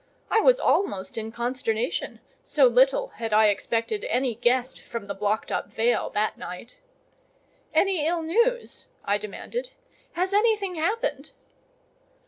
I was almost in consternation, so little had I expected any guest from the blocked up vale that night. "Any ill news?" I demanded. "Has anything happened?"